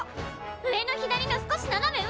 上の左の少しななめ上！